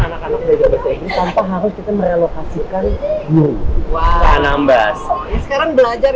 anak anak belajar bahasa inggris tanpa harus kita merelokasikan guru anambas sekarang belajar